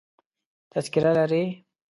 تذکره لرې؟